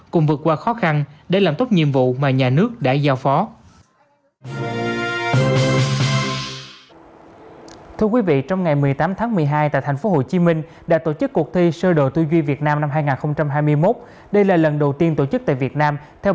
cùng vượt qua khó khăn để làm tốt nhiệm vụ mà nhà nước đã giao phó